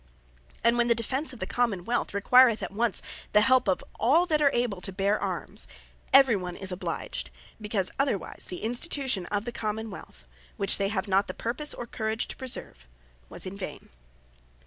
And when the Defence of the Common wealth, requireth at once the help of all that are able to bear Arms, every one is obliged; because otherwise the Institution of the Common wealth, which they have not the purpose, or courage to preserve, was in vain.